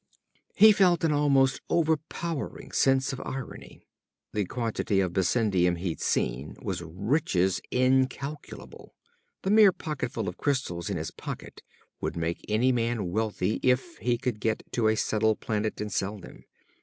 He felt an almost overpowering sense of irony. The quantity of bessendium he'd seen was riches incalculable. The mere pocketfull of crystals in his pocket would make any man wealthy if he could get to a settled planet and sell them.